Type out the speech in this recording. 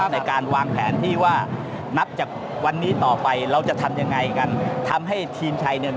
ในการวางแผนนับวันนี้ต่อไว้แล้วทำฉันให้ทีมไทยมีประสุทธิภาพ